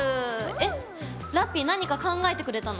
えっラッピィ何か考えてくれたの？